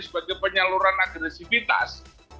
sebagai penyaluran agresifitas